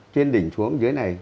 trên đỉnh xuống dưới này